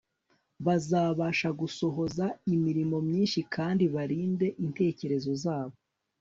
bazabasha gusohoza imirimo myinshi kandi barinde intekerezo zabo